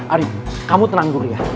ari kamu tenang dulu ya